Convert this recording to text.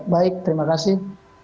baik terima kasih